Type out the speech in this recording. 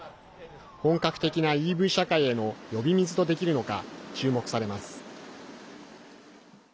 本格的なＥＶ社会への呼び水とできるのか注目されます。